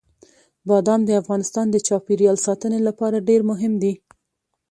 بادام د افغانستان د چاپیریال ساتنې لپاره ډېر مهم دي.